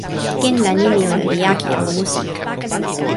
ken la nimi ona li jaki anu musi.